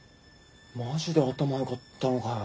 マジで頭よかったのかよ。